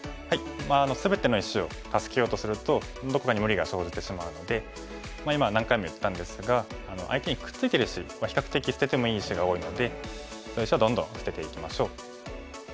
全ての石を助けようとするとどこかに無理が生じてしまうので今何回も言ったんですが相手にくっついてる石は比較的捨ててもいい石が多いのでそういう石をどんどん捨てていきましょう。